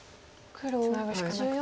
ツナぐしかなくて。